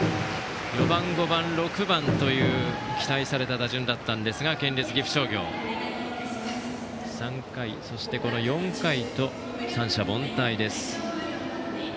４番、５番、６番という期待された打順だったんですが県立岐阜商業は３回、４回と三者凡退です。